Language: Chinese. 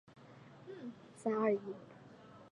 徽章的最外层是一圈金色。